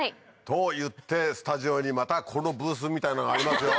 といってスタジオにまたこのブースみたいなのがありますよ。